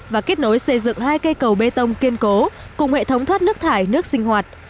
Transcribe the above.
và kết nối xây dựng hai cây cầu bê tông kiên cố cùng hệ thống thoát nước thải nước sinh hoạt